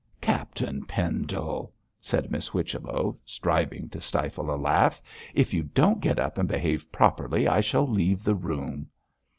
'Captain Pendle,' said Miss Whichello, striving to stifle a laugh, 'if you don't get up and behave properly I shall leave the room.'